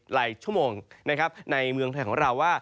หลายชั่วโมงในเมืองของเราว่า